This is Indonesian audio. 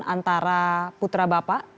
antara putra bapak